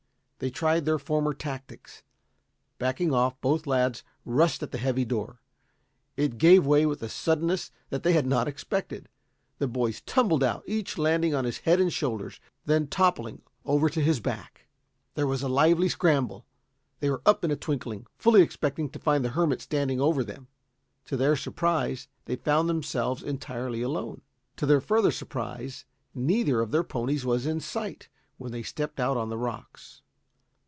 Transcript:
They tried their former tactics. Backing off, both lads rushed at the heavy door. It gave way with a suddenness that they had not expected. The boys tumbled out, each landing on his head and shoulders, then toppling over to his back. There was a lively scramble. They were up in a twinkling, fully expecting to find the hermit standing over them. To their surprise, they found themselves entirely alone. To their further surprise, neither of their ponies was in sight when they stepped out on the rocks.